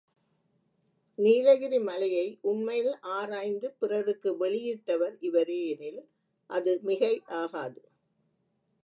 நீலகிரி மலையை உண்மையில் ஆராய்ந்து பிறருக்கு வெளியிட்டவர் இவரே எனில், அது மிகையாகாது.